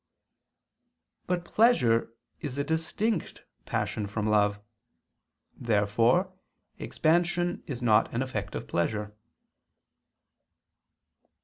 But pleasure is a distinct passion from love. Therefore expansion is not an effect of pleasure.